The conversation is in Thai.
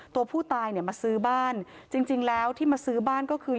ตัวผู้ตายเนี่ยมาซื้อบ้านจริงแล้วที่มาซื้อบ้านก็คือ